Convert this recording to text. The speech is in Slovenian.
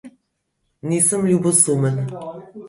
Nisem ljubosumen.